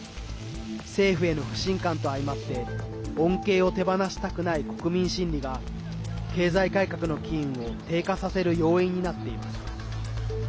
政府への不信感と相まって恩恵を手放したくない国民心理が経済改革の機運を低下させる要因になっています。